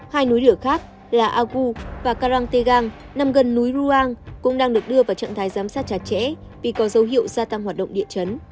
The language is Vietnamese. hai núi lửa khác là agu và karangtegang nằm gần núi ruang cũng đang được đưa vào trạng thái giám sát chặt chẽ vì có dấu hiệu gia tăng hoạt động địa chấn